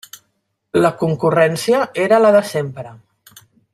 La concurrència era la de sempre.